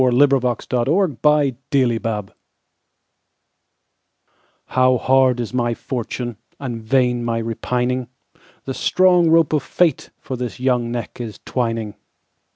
The Convict of Clonmala HOW hard is my fortune, And vain my repining! The strong rope of fateFor this young neck is twining.